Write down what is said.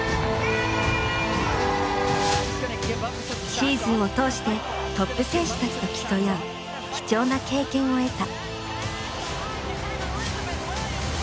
シーズンを通してトップ選手たちと競い合う貴重な経験を得た。